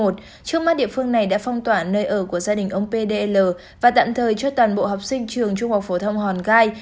trước mắt địa phương này đã phong tỏa nơi ở của gia đình ông pdl và tạm thời cho toàn bộ học sinh trường trung học phổ thông hòn gai